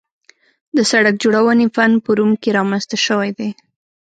د سړک جوړونې فن په روم کې رامنځته شوی دی